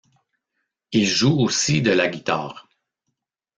Il joue aussi de la guitare.